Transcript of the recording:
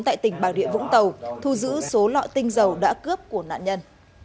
tại tỉnh bảo đệ vũng tàu thu giữ số lọ tinh dầu đã cướp của nạn nhân